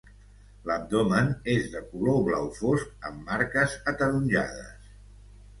L'abdomen és de color blau fosc amb marques ataronjades.